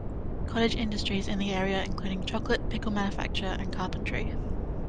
Cottage industries in the area including chocolate, pickle manufacture and carpentry.